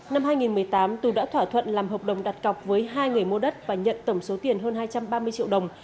năm hai nghìn một mươi tám tú đã thỏa thuận làm hợp đồng đặt cọc với hai người mua đất và nhận tổng số tiền hơn hai trăm ba mươi triệu đồng